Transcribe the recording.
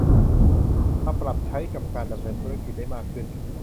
มาปรับใช้กับการดำเนินธุรกิจได้มากขึ้น